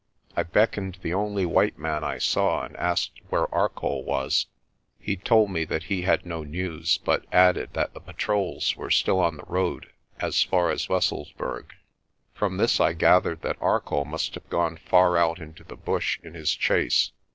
I beckoned the only white man I saw and asked where Arcoll was. He told me that he had no news but added that the patrols were still on the road as far as Wesselsburg. From this I gath ered that Arcoll must have gone far out into the bush in his chase.